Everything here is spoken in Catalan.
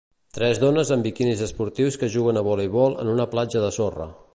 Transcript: Tres dones amb biquinis esportius que juguen a voleibol en una platja de sorra.